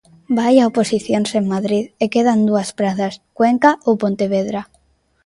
Vai a oposicións en Madrid e quedan dúas prazas, Cuenca ou Pontevedra.